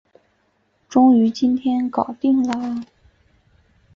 终于今天搞定了